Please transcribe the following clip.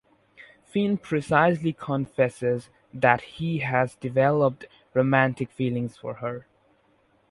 Finn precisely confesses that he has developed romantic feelings for her.